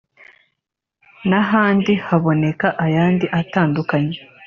n’ahandi haboneka ayandi atandukanye